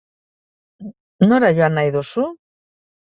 Nora joan nahi duzu?